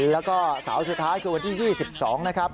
แล้วก็เสาร์สุดท้ายคือวันที่๒๒นะครับ